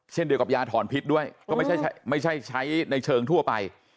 เช่นเดียวกับยาถอนพิษด้วยก็ไม่ใช่ใช้ในเชิงทั่วไป